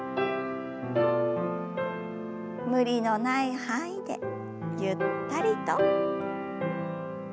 無理のない範囲でゆったりと。